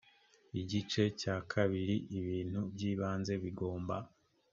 igice cya kabiri ibintu by ibanze bigomba